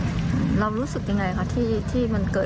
คุณผู้ชมถามมาในไลฟ์ว่าเขาขอฟังเหตุผลที่ไม่ให้จัดอีกที